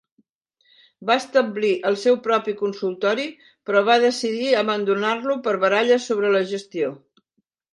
Va establir el seu propi consultori, però va decidir abandonar-lo per baralles sobre la gestió.